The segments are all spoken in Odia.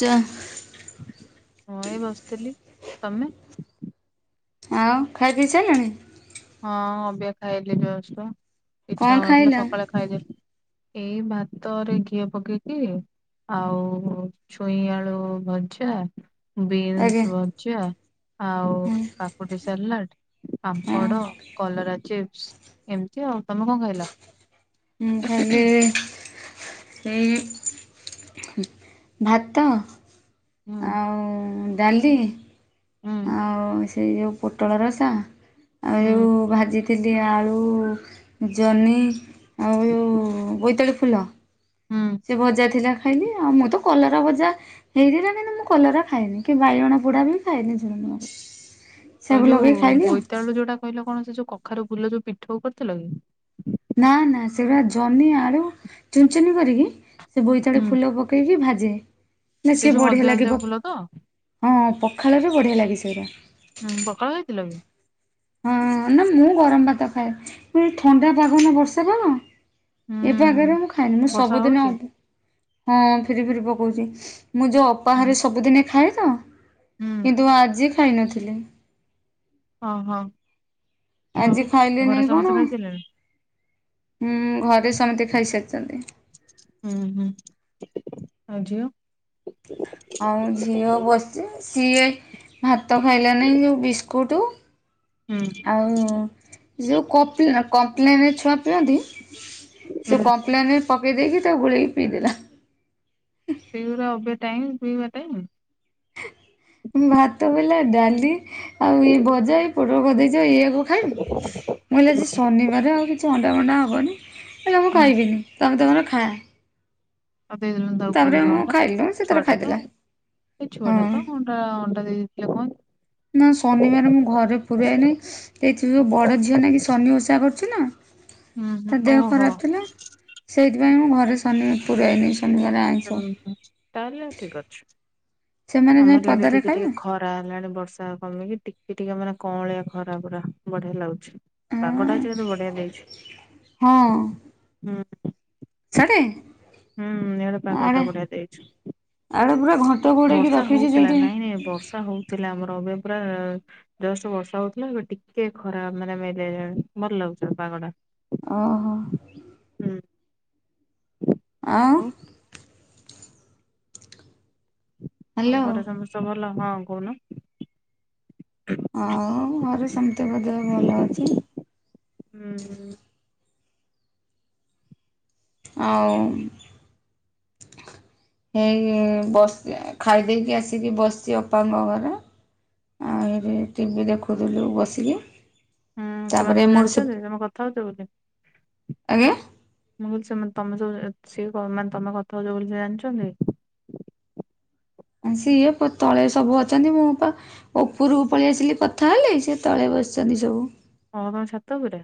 ଚା ମୁଁ ଏ ବସିଥିଲି ତମେ? ଆଉ ଖାଇ ପିଇ ସାରିଲଣି? ହଁ ଅବିକା ଖାଇଲୀ ଜଷ୍ଟ କଣ ଇଚ୍ଛା ହଉନଥିଲା ଖାଇଲ? ସକାଳେ ଖାଇଦେଲି। ଏଇ ଭାତରେ ଘିଅ ପକେଇକି ଆଉ ଛୁଇଁ ଆଳୁ ଭଜା ଆଜ୍ଞା ବିନ୍ସ ଭଜା ଆଉ ହଁ କାକୁଡି ସାଲାଡ଼ ପାମ୍ପ ହଁ ଡ କଲରା ଚିପ୍ସ ଏମିତି ଆଉ ତମେ କଣ ଖାଇଲ? ମୁ ଖାଇଲି ହୁଁ ଭାତ ହୁଁ ଆଉ ଡାଲି ହୁଁ। ଆଉ ସେଇ ଯେଉ ପୋଟଳ ରସା ଆଉ ଯେଉ ହୁଁ ଭାଜିଥିଲି ଥିଲି ଆଳୁ ଜହ୍ନି ଆଉ ଯୋଉ ବୋଇତାଳୁ ଫୁଲ। ହୁଁ। ସେ ଭଜା ଥିଲା ଖାଇଲି ଆଉ ମୁଁ ତ କଲରା ଭଜା ହେଇଥିଥଲା କିନ୍ତୁ ମୁଁ କଲରା ଖାଇନି କି ବାଇଗଣ ପୋଡା ବି ଖାଇନି [unintelligible] ଏ ଯୋଉ ବୋଇତାଳୁ ଯୋଉଟା କହିଲ କଣ ସେ ଯୋଉ କଖାରୁ ଫୁଲ ଯୋଉ ପିଠଉ କରିଥିଲ କି? ନା ନା ସେରା ଜହ୍ନୀ ଆଳୁ ଚୁନଚୁନ କରିକି ସେ ବୋଇତାଳୁ ହୁଁ। ଫୁଲ ପ ପକେଇକି ଭାଜେ ନା ସେ ସିଏ ଯୋଉ ହଳଦିଆ ବଢ଼ିଆ ହଳଦିଆ ଲାଗିବ ଫୁଲ ତ? ହଁ ପଖାଳରେ ବଢିଆ ଲାଗେ ସେଇଟା। ହୁଁ ପଖାଳ ହେଇଥିଲା କି? ହଁ ନା ମୁଁ ଗରମ ଭାତ ଖାଏ ଏ ଥଣ୍ଡା ପାଗ ନା ବର୍ଷା ପାଗ ଏତେ ହୁଁ। ଆଗରେ ମୁଁ ଖାଏନି। ମୁଁ ବର୍ଷା ସବୁଦିନ ହଉଛି? ହଁ ଫିରି ଫିରି ପକଉଚି। ମୁଁ ଯୋଉ ଅପା ହୁଁ ଘରେ ସବୁଦିନେ ଖାଏ ତ ହୁଁ। କିନ୍ତୁ ଆଜି ଖାଇନଥିଲି। ଅ ହଁ। ଆଜି ଖାଇଲିନି କଣ? ଖାଇସାରିଲେଣି? ହୁଁ ଘରେ ସମତେ ଖାଇସାରିଚନ୍ତି। ଉଁ ହୁଁ। ଆଉଝିଅ ଆଉ ଝିଅ ବସିଚି। ସିଏ ଭାତ ଖାଇଲାନି ଯୋଉ ବିସ୍କୁଟ ହୁଁ ଆଉ ଯୋଉ କପଲେ କମ୍ପ୍ଲେନ ଛୁଆ ପିଅନ୍ତି ହୁଁ କଂପ୍ଲେନ୍ ରେ ପକେଇ ଦେଇକି ତାକୁ ଗୋଳେଇକି ପିଇଦେଲା। ହେଇଗୁରା ଅବେ ଟାଇମ ପିଇବା ଟାଇମ। ଭାତ ବୋଇଲା ଡାଲି ଆଉ ଇଏ ଭଜା ପୋଟଳ କରିଦେଇଚ ଇଏଆକୁ ଖା [inaudible] ମୁଁ କହିଲି ଆଜି ଶନିବାର ଆଉ କିଛି ଅଣ୍ଡା ଫଣ୍ଡା ହବନି। କହିଲା ମୁଁ ହୁଁ ଖାଇବିନି ତମେ ତମର ଖା। ଆଉ ଦେଇଦେଲୁନି ତାକୁ ତାପରେ କରିକି ମୁଁ ଅଣ୍ଡା। ଖାଇଲୁ ସେ ତାର ଛୁଆ ଟା ତ ଖାଇଦେଲା। ଏଇ ଛୁଆ ଟା ହଁ ତ କଣ। [unintelligible] ଅଣ୍ଡା ଦେଇ ଦେଇଥିଲେ। [unintelligible] ନା ଶନିବାରେ ମୁଁ ଘରେ ପୁରାଏନି। ଏଇଥି ଯଉ ବଡ଼ ଝିଅ ନାଗି ଶନି ଓଷା କର କରୁଚି ନା। ହୁଁ ହୁଁ ତା ଦେହ ଓହୋ। ଖରାପ ଥିଲା। ସେଇଥିପାଇଁ ମୁଁ ଘରେ ଶନି ପୁରାଏନି ଶନିବାରେ ଆଇଁଷ। ଓହୋ ତାହେଲେ ଠିକ୍ ଅଛି। ସେମାନେ ଯାଇ ଆମର ଇଆଡେ ପଦାରେ ଟିକେ ଟିକେ ଖାଇବେ। ଖରା ଖରା ହେଲାଣି ବର୍ଷା କମିକି। ଟିକେ ଟିକେ ମାନେ କଆଁଳିଆ ଖରା ପୁରା ବଢିଆ ଲାଗୁଛି। ଉଁ ପାଗଟା ଆଜି କିନ୍ତୁ ବଢ଼ିଆ ଦେଇଚି। ହଁ ହୁଁ। ସାଡେ ହୁଁ ଇଆଡେ ପାଗଟା ଆଡେ ବଢ଼ିଆ ଦେଇଚି। ଆଡେ ପୁରା ଘ ବର୍ଷା ହଉଥିଲା ନାଇଁ ନାଇଁ ବର୍ଷା ହଉଥିଲା ଆମର। ଏବେ ପୁରା ଜଷ୍ଟ ବର୍ଷା ହଉଥିଲା। ଏବେ ଟିକେ ଖରା ମାନେ ମେଲେଇଲାଣି ଭଲ ଲାଗୁଛି ପାଗ ଟା। ଅ ହଁ। ହୁଁ। ଆଁ ଆଉ ତମ ହ୍ୟାଲୋ ଘରେ ସମସ୍ତେ ଭଲ? ହଁ କହୁନ। ଅ ଘରେ ସମସ୍ତ ଙ୍କ ଦେହ ଭଲ ଅଛି। ଉଁ ହୁଁ। ଆଉ ଏଇ ବସି ଖାଇ ଦେଇକି ଆସିକି ବସିଚି ଅପାଙ୍କ ଘରେ। ଆଉ ଏଠି ଟିଭିି ଦେଖୁଥିଲୁ ବସିକି। ହୁଁ, ସେମାନେ ତାପରେ ସବୁ ମୋର ସେ ଜାଣିଛନ୍ତି ତମେ କଥା ହଉଛ ବୋଲି? ଆଜ୍ଞା। ମୁଁ କହିଲି ସେମାନେ ତମେ ଯଉ ସେ ମାନେ ତମେ କଥା ହଉଚ ବୋଲି ସେ ଜାଣିଚନ୍ତି? ସିଏ ତଳେ ସବୁ ଅଛନ୍ତି। ମୁଁ ପା ଉପରୁକୁ ପଳେଇ ଆସିଲି କଥା ହେଲି। ସିଏ ତଳେ ବସିଛନ୍ତି ସବୁ। ତମେ ତମ ଛାତ ଉପରେ?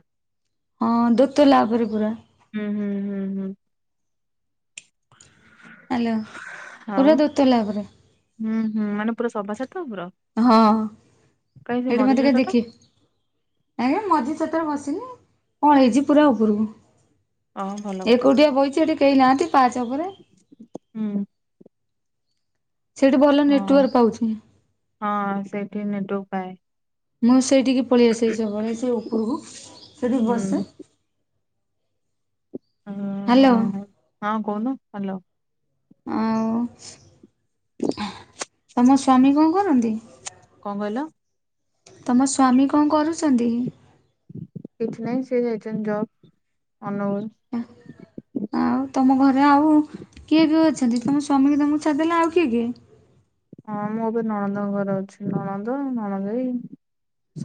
ହଁ ଦୋତଲା ଉପରେ ପୁରା। ଉଁ ହୁଁ ହୁଁ ହୁଁ। ହ୍ୟାଲୋ। ପୁରା ଦୋତାଲା ଉପରେ। ଉଁ ହୁଁ। ମାନେ ପୁରା ସବାଛାତ ଉପର? ହଁ କାଇଁ ସେ ସେଠି ମଝି ମତେ ଛାତ କେହି ଟା ଦେଖି ଆଜ୍ଞା ମଝି ଛାତରେ ବସିନି ପଳେଇଛି ପୁରା ଉପରକୁ। ଓ ଭଲ କଥା ଏକୁଟିଆ ବଇଛି ଏଠି କେହି ନାହାନ୍ତି ପାହାଛ ଉପରେ। ହୁଁ। ସେଇଠି ଭଲ ହଁ ନେଟୱାର୍କ ପାଉଛି। ହଁ ସେଇଠି ନେଟୱକ ପାଏ। ମୁଁ ସେଇଠିକି ପଳେଇ ଆସେ ସବୁବେଳେ ସେ ଉପୁରୁକୁ ସେଇଠି ହୁଁ। ବସେ। ହ ହ୍ୟାଲୋ ହଁ ଆଉ କଣ ହାଲୋ। ଆଉ ତମ ସ୍ଵାମି କଣ କରନ୍ତି? କଣ କହିଲ? ତମ ସ୍ୱାମୀ କଣ କରୁଛନ୍ତି? କିଛି ନାହିଁ ସେ ଯାଇଛନ୍ତି ତ ଅନୁଗୁଳ। ଆଉ ତମ ଘରେ ଆଉ କିଏ କିଏ ଅଛନ୍ତି ତମ ସ୍ୱାମୀ କି ତମକୁ ଛାଡ଼ିଦେଲେ ଆଉ କିଏ କିଏ? ହଁ ମୁଁ ଏବେ ନଣନ୍ଦଙ୍କ ଘରେ ଅଛି ନଣନ୍ଦ ନଣନ୍ଦେଇ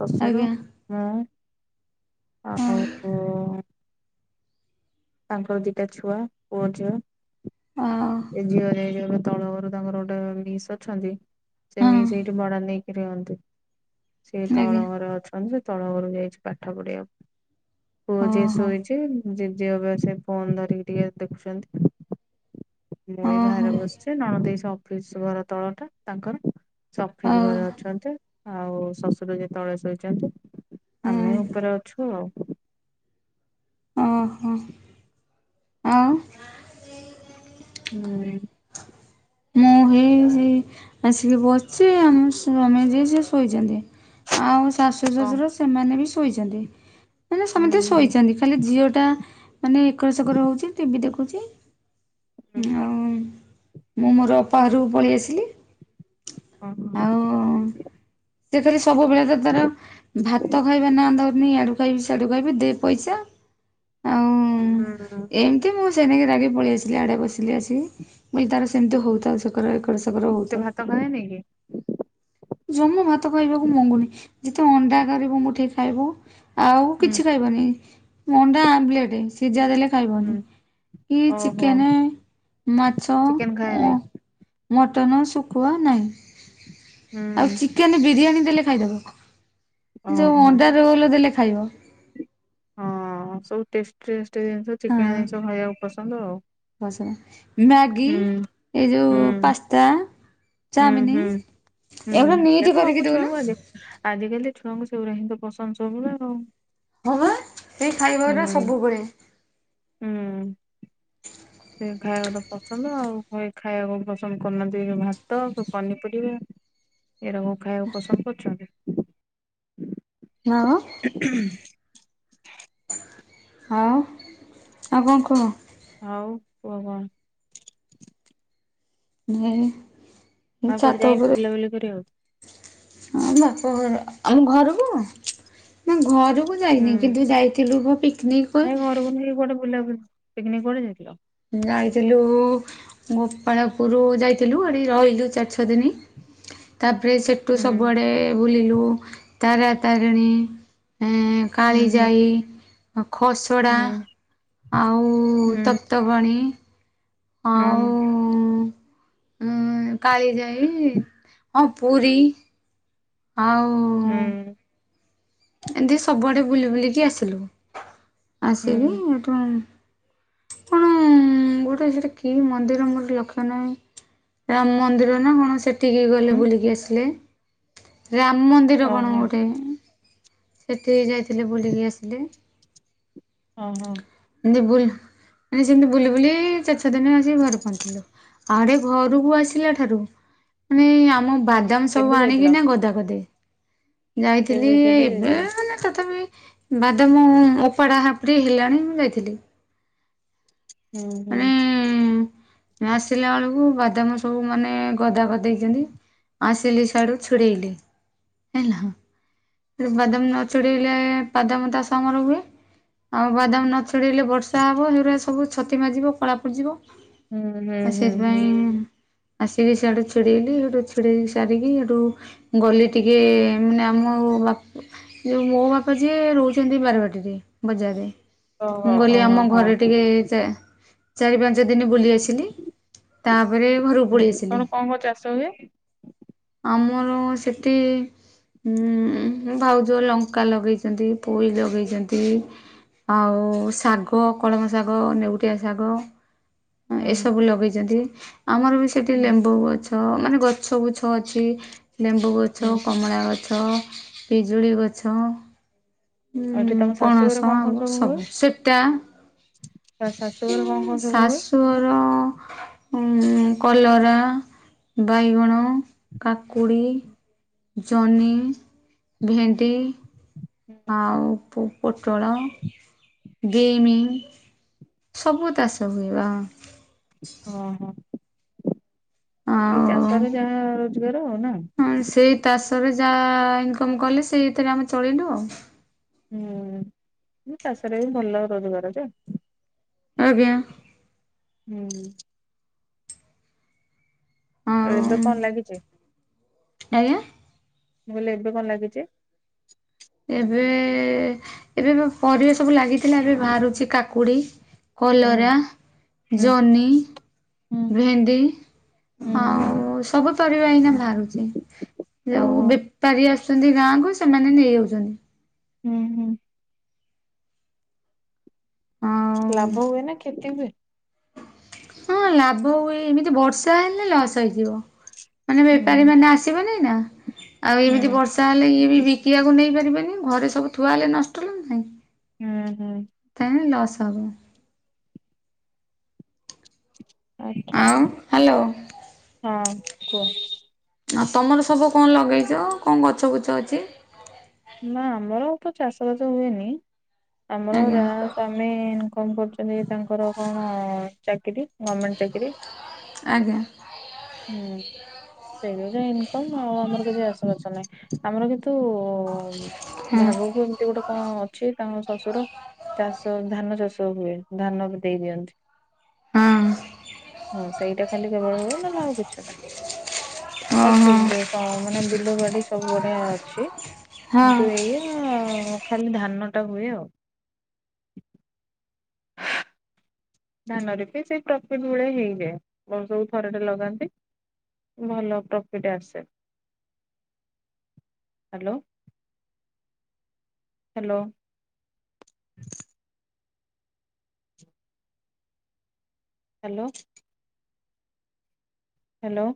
ଶଶୁର। ଆଜ୍ଞା ହୁଁ ଆଉ ହଁ ତାଙ୍କର ଦିଟା ଛୁଆ ପୁଅ ଝିଅ ଆଉ ଏ ଝିଅରେ ତଳ ଘରୁ ତାଙ୍କର ଗୋଟେ ମିସ୍ ଅଛନ୍ତି ସେ ମିସ୍ ଏଇଠି ହଁ ଭଡ଼ା ନେଇକି ରୁହନ୍ତି। ସେଇ ତଳ ଆଜ୍ଞା ଘରେ ଅଛନ୍ତି ସେ ତଳ ଘରକୁ ଯାଇଛି ପାଠ ପଢ଼ିବାକୁ। ପୁଅ ଯିଏ ଓହୋ। ଶୋଇଛି ଜେଜେବାପା ସେ ଫୋନ ଧରିକି ଟିକେ ଦେଖୁଛନ୍ତି। ମୁଁ ଏଇ ଓହୋ ବାହାରେ ବସିଛି ନଣଦେଇ ଅଫିସ ଘର ତଳ ଟା ତାଙ୍କର। ସେ ଅଫିସ୍ ଆଉ ଘରେ ଅଛନ୍ତି ଆଉ ଶଶୁର ଯେ ତଳେ ଶୋଇଛନ୍ତି। ହୁଁ ଆମେ ହେକରେ ଅଛୁ ଆଉ। ଓଃ ହୋ ଆଉ। ହୁଁ। ମୁଁ ହେଇଛି ଆସିକି ବସିଛି ଆମ ସ୍ୱାମୀ ଯିଏ ସିଏ ଶୋଇଛନ୍ତି। ଆଉ ଶାଶୁ କଣ ଶଶୁର ସେମାନେ ବି ଶୋଇଛନ୍ତି ମାନେ ହୁଁ ସମସ୍ତେ ହୁଁ ଶୋଇଛନ୍ତି। ଖାଲି ଝିଅ ଟା ମାନେ ଏକରସେକର ହଉଛି ଟିଭି ଦେଖୁଛି ହୁଁ ହଁ। ମୁଁ ମୋର ଅପା ଘରକୁ ପଳେଇ ଆସିଲି। ଓଃ ହୋ। ସେଥିରେ ସବୁବେଳେ ତ ତାର ଭାତ ଖାଇବା ନାଁ ଧରୁନି ଇଆଡ଼ୁ। ଖାଇବି ସିଆଡ଼ୁ ଖାଇବି ଦେ ପଇସା ଆଉ। ହୁଁ। ଏମିତି ମୁଁ ସେଇନାକି ରାଗି ପଳେଇ ଆସିଲି ଇଆଡ଼େ ବସିଲି ଆସିକି ସିଏ ତାର ହୋଇଥାଉ ସେମିତି। ତାର ଏକର ସେକର ହୋଉଥାଉ। କହିନି କି? ଜମା ଭାତ ଖାଇବାକୁ ମଙ୍ଗୁନି ଯଦି ଅଣ୍ଡା କରିବ ମୁଠେ ଖାଇବ। ଆଉ ହୁଁ କିଛି ଖାଇବନି ଅଣ୍ଡା ଆମ୍ଲେଟ ସିଝା ଦେଲେ ଖାଇବନି ହୁଁ କି ଓହୋ ଚିକେନ ମାଛ ଚିକେନ ଖାଏନି ଅ ମଟନ ଶୁଖୁଆ ନାହିଁ। ଆଉ ହୁଁ ଚିକେନ ବିରିୟାନୀ ଦେଲେ ଖାଇଦବ ଯୋଉ ଓହୋ। ଅଣ୍ଡାରୋଲ ଦେଲେ ଖାଇବ। ହଁ ସବୁ ଟେଷ୍ଟି ଟେଷ୍ଟ ଜିନିଷ ଚିକିଣିଆ ଜିନିଷ ଖାଇବାକୁ ପସନ୍ଦ ଆଉ। ମ୍ୟାଗି ହୁଁ। ଏଇ ଯୋଉ ହୁଁ ପାସ୍ତା। ହୁଁ ହୁଁ ଚାଉମିନ ହୁଁ ଏଗୁଡା ନିଟ୍ କରିକି [unintelligible] ଦଉନୁ। ଛୁଆଙ୍କୁ ଅଧିକ ଆଜିକାଲି ଛୁଆଙ୍କୁ ସେଗୁଡା ହିଁ ତ ପସନ୍ଦ ସବୁ ଆଉ। ହଁ ବା ସେଇ ଖାଇବାରା ହୁଁ। ସବୁବେଳେ। ହୁଁ। ସେ ଖାଇବାକୁଟା ପସନ୍ଦ ଆଉ ହ ଖାଇବାକୁ ପସନ୍ଦ କରୁନାହାନ୍ତି ଭାତ ପନିପରିବା। ଏଡ଼ା କଣ ଖାଇବାକୁ ପସନ୍ଦ କରୁଛନ୍ତି। ହଁ। [inaudible] ହଁ ଆଉ କଣ କୁହ? ହଉ କୁହ କଣ? ଧେ ଆଉ କୁଆଡ଼େ ଯାଇନି ବୁଲା ବୁଲି କରିବାକୁ। ହଁ ବାପ ଘର ଆମ ଘରକୁ ନା ଘରକୁ ଯାଇନି ହୁଁ କିନ୍ତୁ ଯାଇଥିଲୁ କ ପିକିନିକକ। [unintelligible] ବୁଲା ବୁଲି ପିକନିକ୍ କୁଆଡେ ଯାଇଥିଲ? ଯାଇଥିଲୁ ଗୋପାଳପୁର ଯାଇଥିଲୁ ସେଠି ରହିଲୁ ଚାରି ଛଅ ଦିନି। ତାପରେ ସେଠୁ ହୁଁ ସବୁଆଡ଼େ ବୁଲିଲୁ ତାରା ତାରିଣୀ। ଏଁ ହୁଁ ହୁଁ କାଳିଜାଇ ଖସଡ଼ା। ହୁଁ ଆଉ ହୁଁ ତପ୍ତପାଣୀ ଆଉ ଉଁୁ କାଳି ଯାଇ ହଁ ପୁରୀ। ଆଉ। ହୁଁ ହୁଁ ଏମିତି ସବୁଆଡ଼େ ବୁଲି ବୁଲିକି ଆସିଲୁ ହୁଁ ଆସିକି କଣ ଗୋଟେ ସେଠି କି ମନ୍ଦିର ମୋର ଲକ୍ଷ୍ୟ ନାହିଁ। ରାମ ମନ୍ଦିର ନା କଣ ସେଠିକି ଗଲେ ହୁଁ ବୁଲିକି ଆସିଲେ। ରାମ ମନ୍ଦି ନ୍ଦିର କଣ ଓହୋ ଗୋଟେ। ସେଥୀରେ ଯାହାଥିଲେ ବୁଲିକି ଆସିଲେ। ହଁ ହଁ। ଏମିତି ବୁ ମାନେ ସେମିତି ବୁଲି ବୁଲି ଚାରି ଛ ଦିନରେ ଆସିି ଘରେ ପହଞ୍ଚିଲୁ। ଆଡେ ଘରକୁ ଆସିଲା ଠାରୁ। ମାନେ ଆମ ହୁଁ ବାଦାମ ସବୁ କେବେ ଆଣିକି ଯାଇଥିଲ ନା ଗଦା କରିଦେବ। ଯାଇଥିଲି କେବେ କେବେ ଯାଇଥିଲ ନା ନା ତଥାପି ବାଦାମ ଓପାଡା ହାପୁଡି ହେଲାଣି ମୁଁ ଯାଇଥିଲି। ହୁଁ ହୁଁ। ମାନେ ଆସିଲା ବେଳକୁ ବାଦାମ ସବୁ ମାନେ ଗଦା ଗଦେଇଛନ୍ତି। ଆସିଲି ସିଆଡ଼ୁ ଛୁଡ଼େଇଲି ହେଲା। ବାଦାମ ନ ଚଢେଇଲେ ବାଦାମ ଚାଷ ଆମର ହୁଏ। ଆଉ ବାଦାମ ନଛଡେଇଲେ ବର୍ଷା ହବ ସେଇଗୁଡ଼ା ସବୁ ଛତି ମାଜିବ କଳା ପଡିଯିବ। ହୁଁ ହୁଁ ଆ ହୁଁ ହୁଁ ସେଥିପାଇଁ ଆସିକି ସିଆଡ଼ୁ ଛିଡ଼େଇଲି ସେଠୁ ଛିଡେଇ ସାରିକି ହେଠୁ ଗଲି ଟିକେ ମାନେ ଆମ ବାପ ଯଉ ମୋ ବାପା ଯିଏ ରହୁଛନ୍ତି ବାରବାଟୀରେ ବଜାରରେ। ମୁଁ ଓହୋ ଗଲି ଓହୋ ଆମ ହଁ ଘରେ ଟିକେ ଚା ଚାରି ପାଞ୍ଚ ଯ ଦିନ ବୁଲି ଆସିଲି ତାପରେ ଘରକୁ ପଳେଇ ହୁଁ ଆସିଲି। ତମର କଣ କଣ ଚାଷ ହୁଏ ଆମର ସେଠି ଉ ଭାଉଜ ଲଙ୍କା ଲଗେଇଛନ୍ତି। ପୋଇ ଲଗେଇଛନ୍ତି ଆଉ ଶାଗ କଳମ ଶାଗ ଶାଗ ନେଉଟିଆ ଶାଗ। ହୁଁ ଏସବୁ ଲଗେଇଛନ୍ତି ଆମର ବି ସେଠି ହୁଁ ଲେମ୍ବୁ ଗଛ ଛ ମାନେ ଗଛ ମାନେ ଗଛ ଗୁଛ ଅଛି ଲେମ୍ବୁ ହୁଁ ଗଛ କମଳା ଗ ଛ ପିଜୁଳି ଗଛ ଆଉ ଏଠି ହୁଁ ତମ ଶାଶୁଘରେ ପଣସ କଣ କଣ ଆମ୍ବ ହୁଏ? ସବୁ ସେପ୍ଟା ତା ଶାଶୁଘରେ କଣ କଣ ସବୁ ହୁଏ? ପୁଅର କଲରା ବାଇଗଣ କାକୁଡ଼ି ଜହ୍ନି ଭେଣ୍ଡି ହୁଁ। ଆଉ ପୋଟଳ ବିମ୍ ସବୁ ତାଷ ହୁଏ ବା। ହଁ ହଁ। ଏଇ ଆଉ ଚାଷରେ ଯାହା ରୋଜଗାର ନା। ଚାଷରେ ଯାହା ଇନକମ କଲେ ସେଇଥିରେ ଆମେ ଚଳିଲୁ ଆଉ। ହୁଁ ଚାଷରେ ବି ଭଲ ରୋଜଗାର ଯେ। ଆଜ୍ଞା। ହୁଁ। ଆଉ ଏବେ କଣ ଲାଗିଛି? ଆଜ୍ଞା ମୁ କହିଲି ଏବେ କଣ ଲାଗିଛି? ଏବେ, ଏବେ ପରିବା ସବୁ ଲାଗିଥିଲା ଏବେ ବାହାରୁଛି କାକୁଡି। ହୁଁ କଲରା ହୁଁ ଜନି। ହୁଁ ଭେଣ୍ଡି ହୁଁ। ଆଉ। ସବୁ ପରିବା ଏଇନା ବାହାରୁଛି। ଯୋଉ ଓହୋ ବେପାରୀ ଆସୁଛନ୍ତି ଗାଁକୁ ସେମାନେ ନେଇଯାଉ ଜି ହୁଁ ହୁଁ। ଆଉ ଲାଭ ହୁଏ ନା କ୍ଷତି ହୁଏ? ହଁ ଲାଭ ହୁଏ। ଏମିତି ବର୍ଷା ହେଲେ ଲସ୍ ହେଇଯିବ। ମାନେ ବେପାରୀ ହୁଁ ମାନେ ଆସିବେନି ନା। ଆଉ ହୁଁ ଏମିତି ବର୍ଷା ହେଲେ ଇଏ ବି ବିକିବାକୁ ନେଇପାରିବେନି ଘରେ ସବୁ ଥୁଆ ହେଲେ ନଷ୍ଟ ହେଲା ନାହିଁ। ହୁଁ ହୁଁ। ତାହେଲେ ଲସ୍ ହବ। ଆଛା ଆଉ ହ୍ୟାଲୋ। ହଁ କୁଅ। ଆଉ ତୁମର ସବୁ କଣ ଲଗେଇଛ? କଣ ଗଛ ବୁଛ ଅଛି? ନା ଆମର ତ ଚାଷବାସ ହୁଏନି। ଆମର ଆଜ୍ଞା ଯାହା ସ୍ୱାମୀ ଇନକମ କରୁଛନ୍ତି ତାଙ୍କର କଣ ଚାକିରୀ ଗଭମେଣ୍ଟ ଚାକିରୀ। ଆଜ୍ଞା। ହୁଁ। ସେଇ ଯ ଇନକମ ଆ ଆମର କିଛି ଆସଛ ନାହିଁ ଆମର କିନ୍ତୁ ହ ହଁ ଭାବକୁ ଏମିତି ଗୋଟେ କଣ ଅଛି ତାଙ୍କ ଶଶୁର ଚାଷ ଧାନ ଚାଷ ହୁଏ ଧାନ ଦେଇ ଦିଅନ୍ତି। ହଁ। ହଁ ସେଇଟା ଖାଲି କେବଳ ହୁଏ ନହେଲେ ଆଉ କିଛି ନା ଅଛି ଓହୋ ସ ମାନେ ବିଲବାଡି ସବୁ ବଢିଆ ଅଛି। ହଁ। କିନ୍ତୁ ଏଇଆ ଖାଲି ଧାନଟା ହୁଏ ଆଉ। ଧାନରେ ବି ସେଇ ପ୍ରଫିଟ ଭଳିଆ ହେଇଯାଏ। ବର୍ଷକୁ ଥରଟେ ଲଗାନ୍ତି। ଭଲ ପ୍ରଫିଟ ଆସେ। Hello, hello. ହାଲୋ। ହାଲୋ।